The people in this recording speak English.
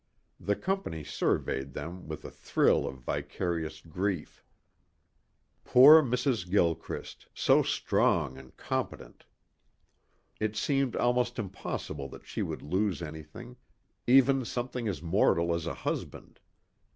The company surveyed them with a thrill of vicarious grief. Poor Mrs. Gilchrist, so strong and competent! It seemed almost impossible that she should lose anything, even something as mortal as a husband.